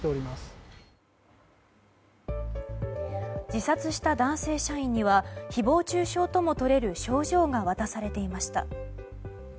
自殺した男性社員には誹謗中傷ともとれる賞状が渡されていました。